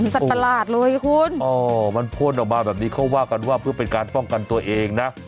สัตว์ประหลาดเลยคุณอ๋อมันพ่นออกมาแบบนี้เขาว่ากันว่าเพื่อเป็นการป้องกันตัวเองนะ